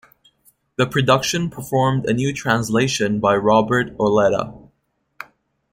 The production performed a new translation by Robert Auletta.